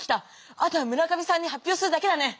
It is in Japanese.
あとは村上さんに発表するだけだね！